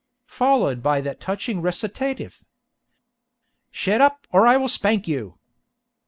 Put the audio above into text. Followed by that touching recitative: "Shet up, or I will spank you!"